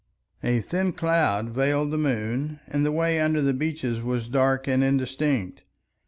A thin cloud veiled the moon, and the way under the beeches was dark and indistinct.